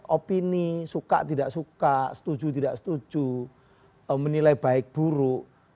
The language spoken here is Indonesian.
opini suka tidak suka setuju tidak setuju menilai baik buruk